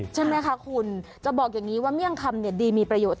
ใช่ไหมคะคุณจะบอกอย่างนี้ว่าเมี่ยงคำเนี่ยดีมีประโยชน์